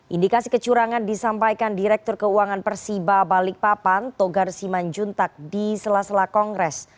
indikasi kecurangan disampaikan direktur keuangan persiba balikpapan togar simanjuntak di sela sela kongres